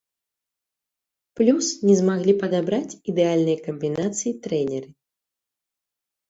Плюс не змаглі падабраць ідэальныя камбінацыі трэнеры.